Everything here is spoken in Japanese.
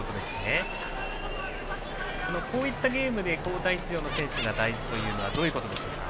こういったゲームで交代した選手が大事というのはどういうことでしょうか。